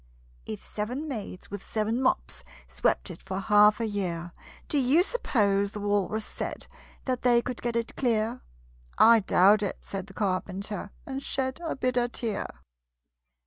"If seven maids, with seven mops, Swept it for half a year, Do you suppose," the Walrus said, "That they could get it clear?" "I doubt it," said the Carpenter, And shed a bitter tear.